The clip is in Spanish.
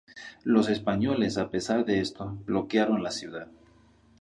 Los españoles, a pesar de esto, bloquearon la ciudad.